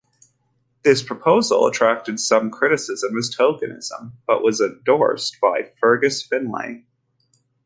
This proposal attracted some criticism as tokenism, but was endorsed by Fergus Finlay.